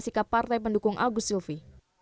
sikap partai pendukung agus silvi